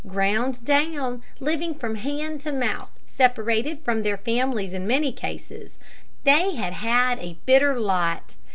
Ground down, living from hand to mouth, separated from their families in many cases they had had a bitter lot.